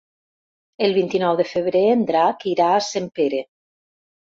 El vint-i-nou de febrer en Drac irà a Sempere.